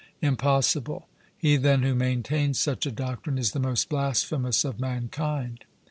'Impossible.' He, then, who maintains such a doctrine, is the most blasphemous of mankind.